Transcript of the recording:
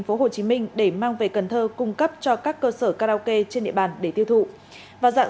phố hồ chí minh để mang về cần thơ cung cấp cho các cơ sở karaoke trên địa bàn để tiêu thụ và dặn